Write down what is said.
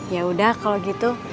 ya udah kalau gitu